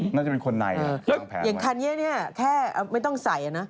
น่าจะเป็นคนไหนทางแผนไหมอย่างคันนี้เนี่ยแค่ไม่ต้องใส่นะ